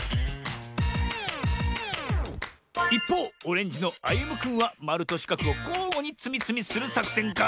いっぽうオレンジのあゆむくんはまるとしかくをこうごにつみつみするさくせんか？